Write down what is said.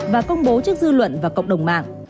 và công bố trước dư luận và cộng đồng mạng